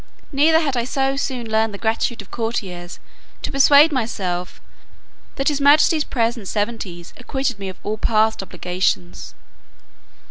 Neither had I so soon learned the gratitude of courtiers, to persuade myself, that his majesty's present severities acquitted me of all past obligations.